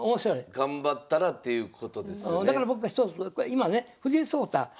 頑張ったらということですよね。